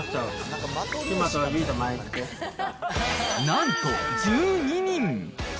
なんと１２人。